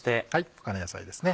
他の野菜ですね。